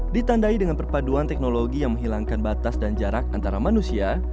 ditandai dengan perpaduan teknologi yang menghilangkan batas dan jarak antara manusia